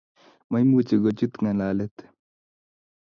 Maimuch kochut ngalalet